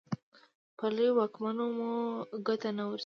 په لویو واکمنو مو ګوته نه ورځي.